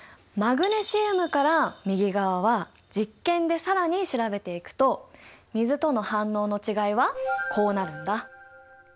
マグネシウムから右側は実験で更に調べていくと水との反応の違いはこうなるんだ。